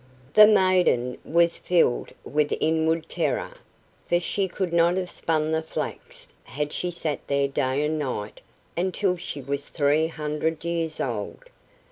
The maiden was filled with inward terror, for she could not have spun the flax had she sat there day and night until she was three hundred years old!